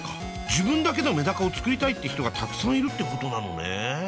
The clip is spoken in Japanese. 自分だけのメダカをつくりたいって人がたくさんいるってことなのね。